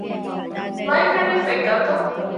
ލައިބްރަރީފޮތް ގަތުން